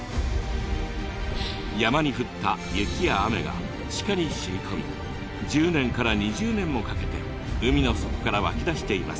山に降った雪や雨が地下にしみこみ１０年から２０年もかけて海の底から湧き出しています。